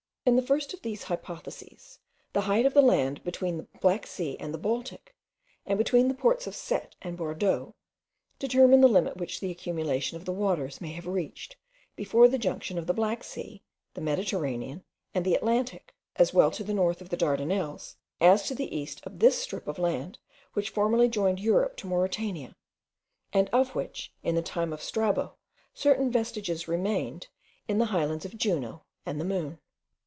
In the first of these hypotheses, the height of the land between the Black Sea and the Baltic, and between the ports of Cette and Bordeaux, determine the limit which the accumulation of the waters may have reached before the junction of the Black Sea, the Mediterranean, and the Atlantic, as well to the north of the Dardanelles, as to the east of this strip of land which formerly joined Europe to Mauritania, and of which, in the time of Strabo, certain vestiges remained in the Islands of Juno and the Moon.)